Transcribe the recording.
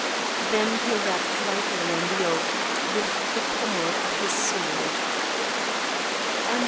Then he rapped lightly on the oak with the pommel of his sword.